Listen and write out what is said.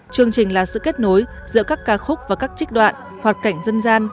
chương trình là sự kết nối giữa các ca khúc và các trích đoạn hoạt cảnh dân gian